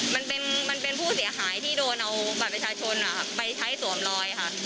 มันเป็นผู้เสียหายที่โดนเอาบัตรประชาชนไปใช้สวมรอยค่ะ